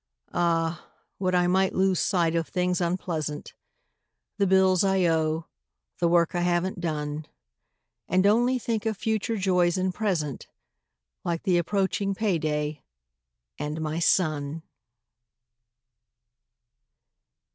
Ah, would I might lose sight of things unpleasant: The bills I owe; the work I haven't done. And only think of future joys and present, Like the approaching payday, and my son.